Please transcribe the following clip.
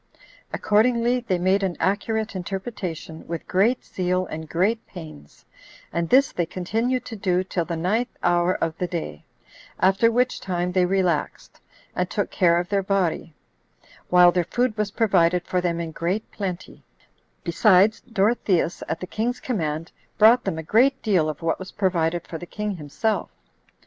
Accordingly, they made an accurate interpretation, with great zeal and great pains, and this they continued to do till the ninth hour of the day; after which time they relaxed, and took care of their body, while their food was provided for them in great plenty: besides, Dorotheus, at the king's command, brought them a great deal of what was provided for the king himself.